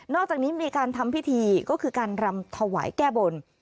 อกจากนี้มีการทำพิธีก็คือการรำถวายแก้บน